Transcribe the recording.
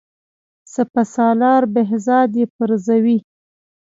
سپه سالار بهزاد یې پرزوي.